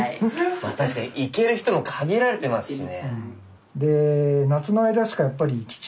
まあ確かに行ける人も限られてますしね。